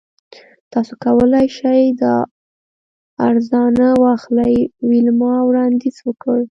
تاسو کولی شئ دا ارزانه واخلئ ویلما وړاندیز وکړ